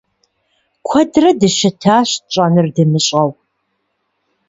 Куэдрэ дыщытащ, тщӀэнур дымыщӀэу.